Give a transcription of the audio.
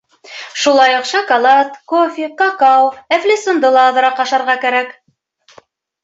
Шулай уҡ шоколад, кофе, какао, әфлисунды ла аҙыраҡ ашарға кәрәк.